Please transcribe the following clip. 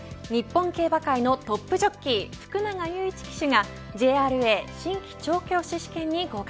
日本競馬界のトップジョッキー福永祐一騎手がＪＲＡ新規調教師試験に合格。